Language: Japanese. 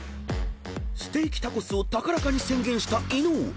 ［ステーキタコスを高らかに宣言した伊野尾］